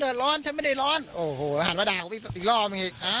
เขาก็ไปด่าเห็นผม